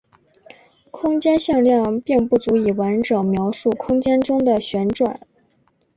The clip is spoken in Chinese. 空间向量并不足以完整描述空间中的旋转。